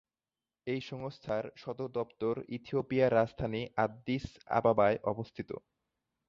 এই সংস্থার সদর দপ্তর ইথিওপিয়ার রাজধানী আদ্দিস আবাবায় অবস্থিত।